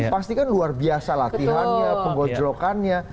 pasti kan luar biasa latihannya penggocelokannya